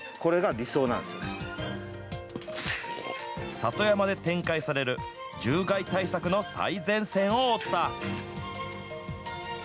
里山で展開される獣害対策の最前線を追った。